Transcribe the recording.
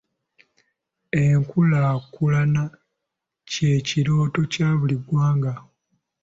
Enkulaakulana kye kirooto kya buli ggwanga.